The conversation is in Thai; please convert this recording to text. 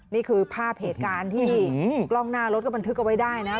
นี่คือภาพเหตุการณ์ที่กล้องหน้ารถก็บันทึกเอาไว้ได้นะ